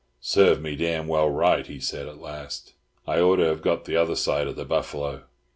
"Serve me damn well right," he said at last. "I ought to have got the other side of the buffalo!"